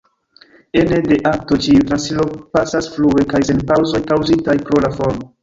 Ene de akto ĉiuj transiro pasas flue kaj sen paŭzoj kaŭzitaj pro la formo.